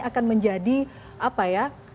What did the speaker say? akan menjadi apa ya